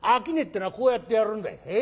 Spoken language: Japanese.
商いってえのはこうやってやるんだ。